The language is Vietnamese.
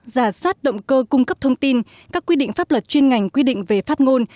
giả soát động cơ cung cấp thông tin các quy định pháp luật chuyên ngành quy định về phát ngôn